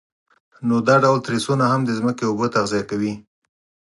نو دا ډول تریسونه هم د ځمکې اوبه تغذیه کوي.